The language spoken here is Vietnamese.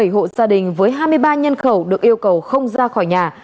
bảy hộ gia đình với hai mươi ba nhân khẩu được yêu cầu không ra khỏi nhà